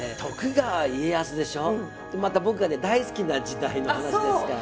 また僕がね大好きな時代の話ですからね。